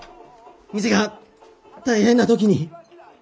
店が大変な時に！